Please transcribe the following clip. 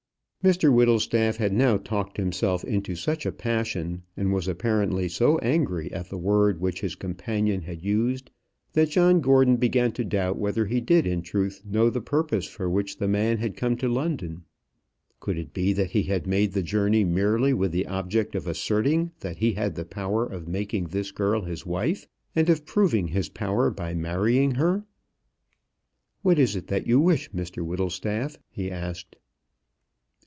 Mr Whittlestaff had now talked himself into such a passion, and was apparently so angry at the word which his companion had used, that John Gordon began to doubt whether he did in truth know the purpose for which the man had come to London. Could it be that he had made the journey merely with the object of asserting that he had the power of making this girl his wife, and of proving his power by marrying her. "What is it that you wish, Mr Whittlestaff?" he asked.